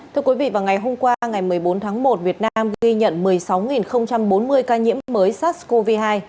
thưa quý vị vào ngày hôm qua ngày một mươi bốn tháng một việt nam ghi nhận một mươi sáu bốn mươi ca nhiễm mới sars cov hai